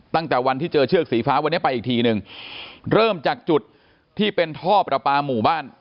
ตั้งแต่วันที่เจอเชือกสีฟ้าวันนี้ไปอีกทีนึงเริ่มจากจุดที่เป็นท่อประปาหมู่บ้าน